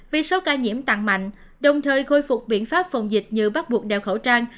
vì số ca nhiễm tăng mạnh đồng thời khôi phục biện pháp phòng dịch như bắt buộc đeo khẩu trang